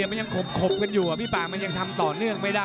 มึงครับเฮ่ยตำนานขมมิในเจมส์ใช่ฟะ